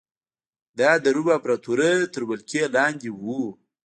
دا د روم امپراتورۍ تر ولکې لاندې و